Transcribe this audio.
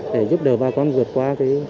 để giúp đỡ ba con vượt qua